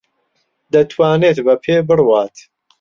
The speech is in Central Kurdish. دەتوانێت بە پێ بڕوات.